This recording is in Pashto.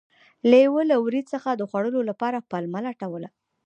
لیوه له وري څخه د خوړلو لپاره پلمه لټوله.